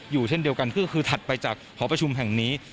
เช่นเดียวกันก็คือถัดไปจากหอประชุมแห่งนี้